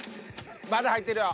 まだ入ってるよ。